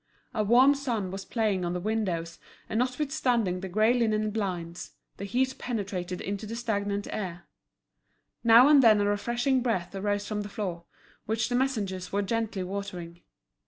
A warm sun was playing on the windows, and notwithstanding the grey linen blinds, the heat penetrated into the stagnant air. Now and then a refreshing breath arose from the floor, which the messengers were gently watering.